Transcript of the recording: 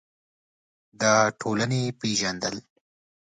د ټولنې پېژندل: